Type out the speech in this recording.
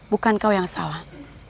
bukan kau yang salah